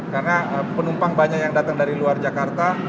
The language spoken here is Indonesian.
karena penumpang banyak yang datang dari luar jakarta